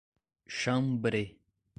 Xambrê